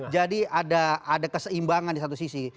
jadi ada keseimbangan di satu sisi